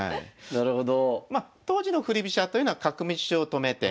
なるほど。